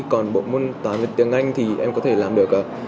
còn bộ môn toán tiếng anh thì em có thể làm được